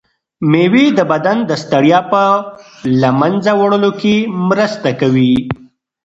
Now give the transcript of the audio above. مېوې د بدن د ستړیا په له منځه وړلو کې مرسته کوي.